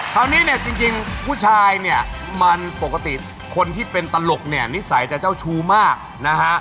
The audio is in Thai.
คราวนี้เนี่ยจริงผู้ชายเนี่ยมันปกติคนที่เป็นตลกเนี่ยนิสัยจะเจ้าชู้มากนะฮะ